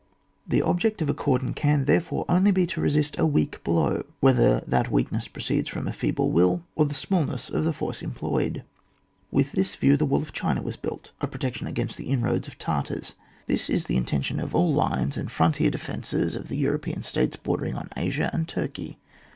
The object of a cordon can therefore only be to resist a weak blow, whether that the weakness proceeds from a feeble will or the smallness of the force em ployed. With this view the wall of China was built : a protection against the inroads of Tartars. This is the intention of all lines and frontier defences of the Euro pean States bordering on Asia and Tur key.